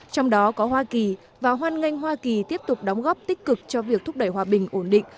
trong đó có hoa kỳ và hoan nghênh hoa kỳ tiếp tục đóng góp tích cực cho việc thúc đẩy hòa bình ổn định